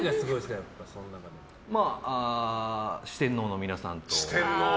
四天王の皆さんと。